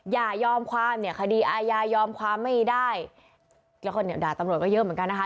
ยอมความเนี่ยคดีอาญายอมความไม่ได้แล้วก็เนี่ยด่าตำรวจก็เยอะเหมือนกันนะคะ